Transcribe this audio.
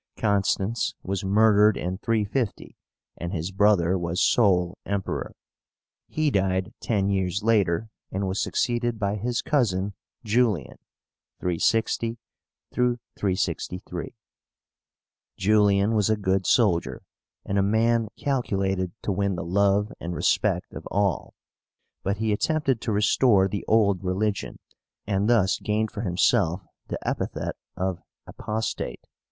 Constans was murdered in 350, and his brother was sole Emperor. He died ten years later, and was succeeded by his cousin, Julian (360 363) JULIAN was a good soldier, and a man calculated to win the love and respect of all. But he attempted to restore the old religion, and thus gained for himself the epithet of APOSTATE.